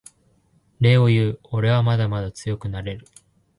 礼を言うおれはまだまだ強くなれる